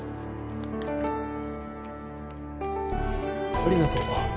ありがとう。